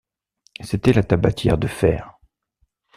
C’était la tabatière de fer.